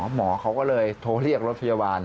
หมอเขาก็เลยโทรเรียกรถพยาบาล